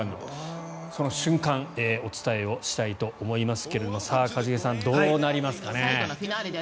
その瞬間お伝えしたいと思いますがさあ、一茂さんどうなりますかね。